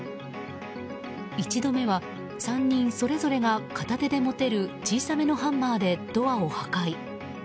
１度目は３人それぞれが片手で持てる小さめのハンマーでドアを破壊。